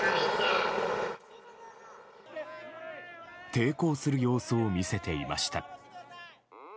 抵抗する様子を見せていました。